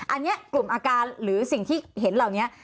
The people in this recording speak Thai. อันนี้กลุ่มอาการหรือสิ่งที่เห็นเหล่านี้